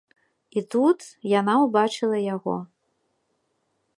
І тут яна ўбачыла яго.